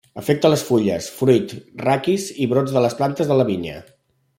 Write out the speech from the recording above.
Afecta les fulles, fruit, raquis i brots de les plantes de la vinya.